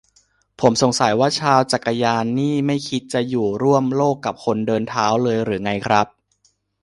ผมสงสัยว่าชาวจักรยานนี่ไม่คิดจะอยู่ร่วมโลกกับคนเดินเท้าเลยหรือไงครับ